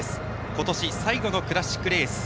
今年最後のクラシックレース。